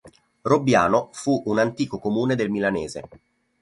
Robbiano fu un antico comune del Milanese.